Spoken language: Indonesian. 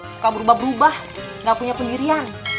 suka berubah berubah gak punya pendirian